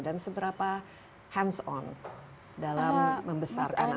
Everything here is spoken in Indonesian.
dan seberapa hands on dalam membesarkan anak anak